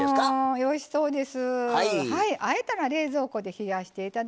おいしそうです。